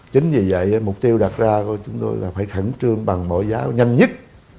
chính vì vậy mục tiêu đặt ra của chúng tôi là phải khẩn trương bằng mọi giáo nhanh nhất